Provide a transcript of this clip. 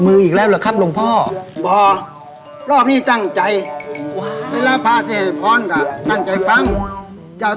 ไม่ทำเลยจ้ะฝุ่นเยอะเป็นภูมิแท้กรุงเทพจ้า